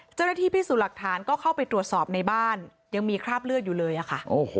เจ้าหน้าที่พิสูจน์หลักฐานก็เข้าไปตรวจสอบในบ้านยังมีคราบเลือดอยู่เลยอะค่ะ